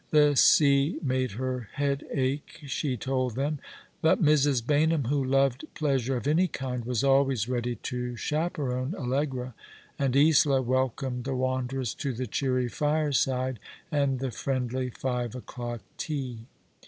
The sea made her head aclie, she told them ; but Mrs. Baynham, who loved pleasure of any kind, was always ready to chaperon Allegra, and I^ola welcomed the wanderers to the cheery fireside and the friendly five o'clock tea.